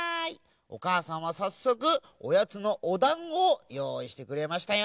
おかあさんはさっそくおやつのおだんごをよういしてくれましたよ。